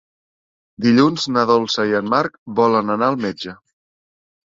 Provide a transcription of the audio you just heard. Dilluns na Dolça i en Marc volen anar al metge.